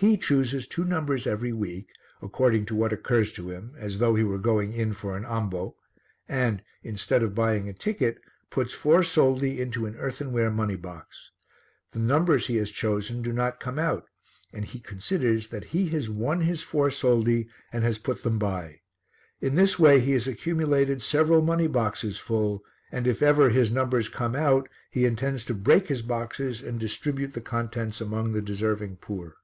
He chooses two numbers every week, according to what occurs to him as though he were going in for an ambo and, instead of buying a ticket, puts four soldi into an earthenware money box. The numbers he has chosen do not come out and he considers that he has won his four soldi and has put them by. In this way he has accumulated several money boxes full, and if ever his numbers come out he intends to break his boxes and distribute the contents among the deserving poor.